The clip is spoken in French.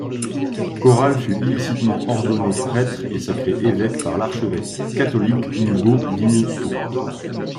Corral fut illicitement ordonné prêtre et sacré évêque par l'archevêque catholique Ngo Dinh Thuc.